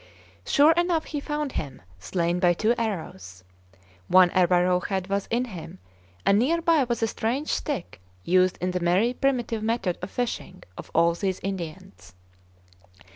Sure enough he found him, slain by two arrows. One arrow head was in him, and near by was a strange stick used in the very primitive method of fishing of all these Indians.